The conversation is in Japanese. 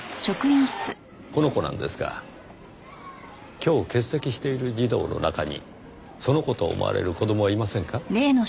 今日欠席している児童の中にその子と思われる子供はいませんか？